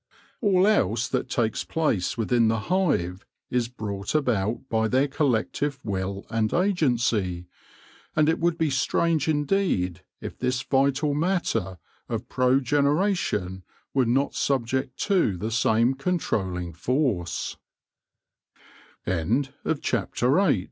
All else that takes place within the hive is brought about by their collective will and agency ; and it would be strange indeed if this vital matter of progeneration were not subject to the same con